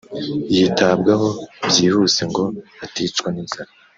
yitabwaho byihuse ngo aticwa n’inzara